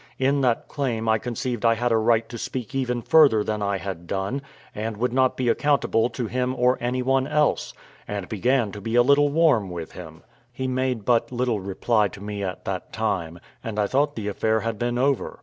In that claim I conceived I had a right to speak even further than I had done, and would not be accountable to him or any one else, and began to be a little warm with him. He made but little reply to me at that time, and I thought the affair had been over.